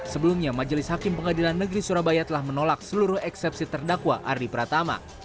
sebelumnya majelis hakim pengadilan negeri surabaya telah menolak seluruh eksepsi terdakwa ardi pratama